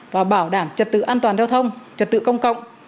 và bảo đảm trật tự an toàn giao thông trật tự công cộng